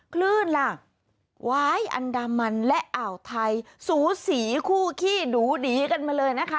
คลื่นล่ะว้ายอันดามันและอ่าวไทยสูสีคู่ขี้หนูดีกันมาเลยนะคะ